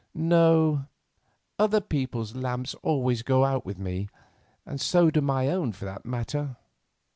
"No; other people's lamps always go out with me, and so do my own, for that matter.